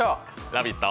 「ラヴィット！」